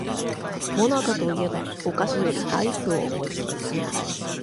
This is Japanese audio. もなかと言えばお菓子よりアイスを思いつく